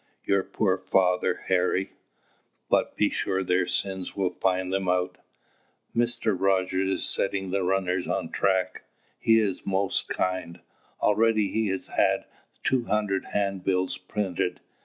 "Your poor father, Harry But be sure their sins will find them out! Mr. Rogers is setting the runners on track he is most kind. Already he has had two hundred handbills printed.